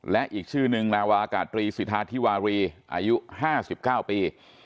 และอีกชื่อหนึ่งลาวากาตรีสิทธาธิวารีอายุห้าสิบเก้าปี